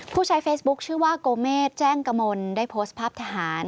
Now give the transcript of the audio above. ผู้ใช้เฟซบุ๊คชื่อว่าโกเมษแจ้งกมลได้โพสต์ภาพทหาร